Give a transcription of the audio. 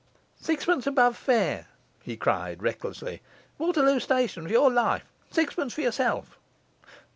'Sixpence above fare,' he cried recklessly. 'Waterloo Station for your life. Sixpence for yourself!